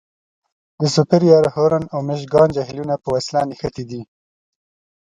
د سوپریر، هورن او میشګان جهیلونه په وسیله نښتي دي.